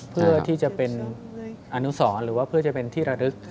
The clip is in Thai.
เพื่อที่จะเป็นอนุสรหรือว่าเพื่อจะเป็นที่ระลึก